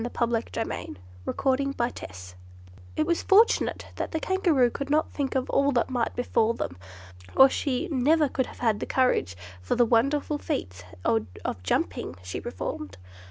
Chapter 8 The Chase in the Night It was fortunate that the Kangaroo could not think of all that might befall them, or she never could have had courage for the wonderful feats of jumping she performed.